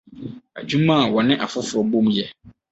Adwuma a wɔne afoforo bom yɛ